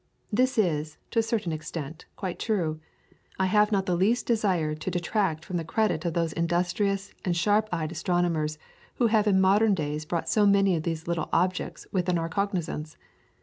This is, to a certain extent, quite true. I have not the least desire to detract from the credit of those industrious and sharp sighted astronomers who have in modern days brought so many of these little objects within our cognisance.